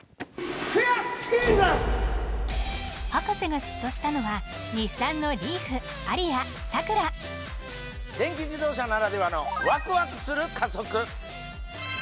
博士が嫉妬したのは電気自動車ならではのワクワクする加速！